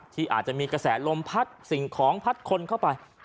ที่อาจจะมีกระแสลมพัดสิ่งของพัดคนเข้าไป